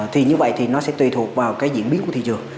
thì như vậy thì nó sẽ tùy thuộc vào cái diễn biến của thị trường